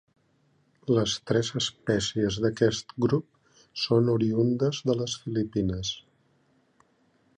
Les tres espècies d'aquest grup són oriündes de les Filipines.